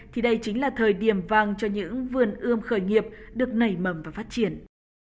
thì đây chính là thời điểm vàng cho những vườn ươm khởi nghiệp được nảy mầm và phát triển